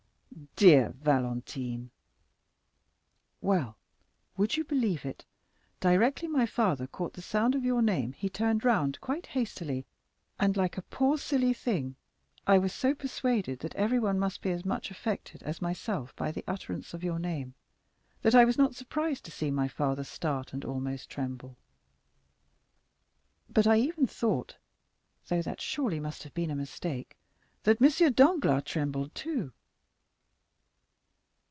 30059m "Dear Valentine!" "Well, would you believe it? directly my father caught the sound of your name he turned round quite hastily, and, like a poor silly thing, I was so persuaded that everyone must be as much affected as myself by the utterance of your name, that I was not surprised to see my father start, and almost tremble; but I even thought (though that surely must have been a mistake) that M. Danglars trembled too."